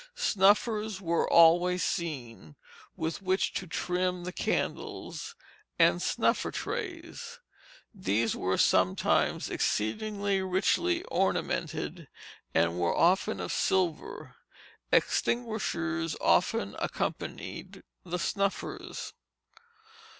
Snuffers were always seen, with which to trim the candles, and snuffers trays. These were sometimes exceedingly richly ornamented, and were often of silver: extinguishers often accompanied the snuffers.